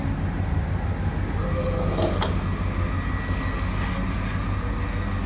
kujaza vyeo ambavyo vimeachwa wazi tangu uachaguzi mkuu wa mwaka elfu mbili na kumi na nane